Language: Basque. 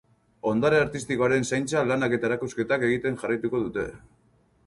Ondare artistikoaren zaintza lanak eta erakusketak egiten jarraituko dute.